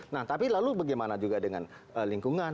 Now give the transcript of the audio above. nah tapi lalu bagaimana juga dengan lingkungan